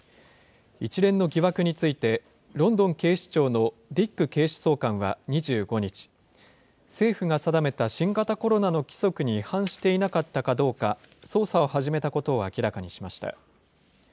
一連の疑惑について、ロンドン警視庁のディック警視総監は２５日、政府が定めた新型コロナの規則に違反していなかったかどうか、捜査を始めたことを明らかにしました。